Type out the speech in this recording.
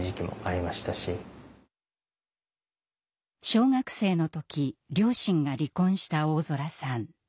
小学生の時両親が離婚した大空さん。